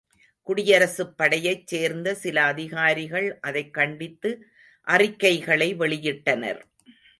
குடியரசுப் படையைச் சேர்ந்த சில அதிகாரிகள் அதைக் கண்டித்து அறிக்கைகளை வெளியிட்டனர்.